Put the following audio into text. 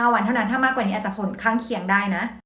วันเท่านั้นถ้ามากกว่านี้อาจจะผลข้างเคียงได้นะ